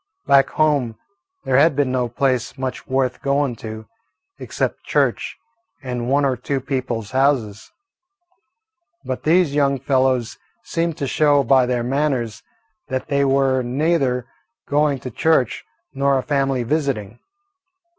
Back home there had been no place much worth going to, except church and one or two people's houses. But these young fellows seemed to show by their manners that they were neither going to church nor a family visiting.